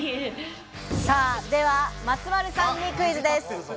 では松丸さんにクイズです。